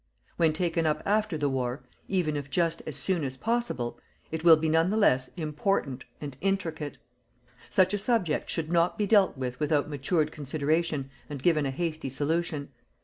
When taken up after the war even if just as soon as possible it will be none the less IMPORTANT AND INTRICATE. Such a subject should not be dealt with without matured consideration and given a hasty solution.